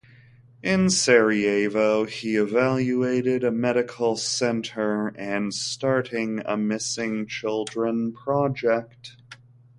In Sarajevo, he evaluated a medical centre and starting a missing children project.